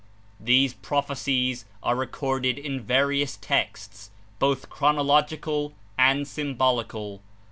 These prophecies are recorded in 63 various texts, both chronological and symbolical.